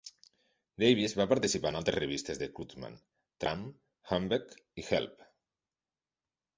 Davis va participar en altres revistes de Kurtzman: "Trump", "Humbug" i "Help!".